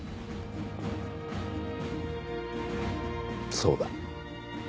そうだ。